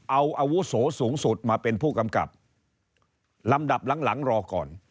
เอาอาวุโสสูงสุดมาเป็นผู้กำกับลำดับหลังหลังรอก่อน